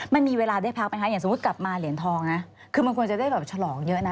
มันมีเวลาได้พักไปไหมค่ะเดี๋ยวกรับมาเหรียญทองนะคือควรจะได้แบบดูชะลองเยอะนะ